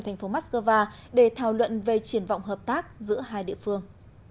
thành phố moscow để thảo luận về triển vọng hợp tác giữa hai địa phương